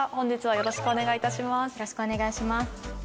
よろしくお願いします。